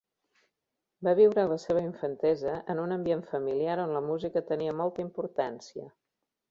Va viure la seva infantesa en un ambient familiar on la música tenia molta importància.